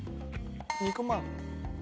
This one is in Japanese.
肉まん。